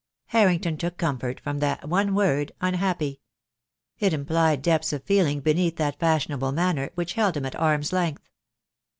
Harrington took comfort from that one word "un happy." It implied depths of feeling beneath that fashionable manner which held him at arm's length.